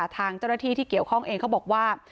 ทางเจ้าหน้าที่ที่เกี่ยวข้องเองเขาบอกว่า